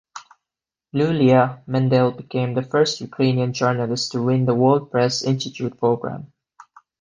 Iuliia Mendel became the first Ukrainian journalist to win the World Press Institute program.